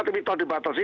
tapi itu dibatasi